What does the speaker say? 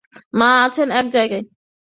মা আছেন এক জায়গায়।